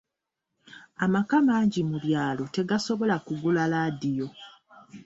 Amaka mangi mu byalo tegasobola kugula laadiyo.